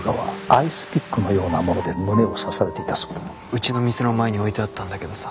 うちの店の前に置いてあったんだけどさ。